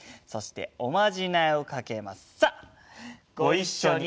そしておまじないをかけます。